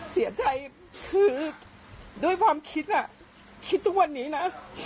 เสียใจคือด้วยความคิดคิดทุกวันนี้นะ